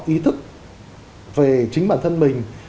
ý thức về chính bản thân mình